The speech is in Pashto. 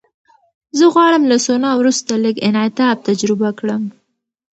زه غواړم له سونا وروسته لږ انعطاف تجربه کړم.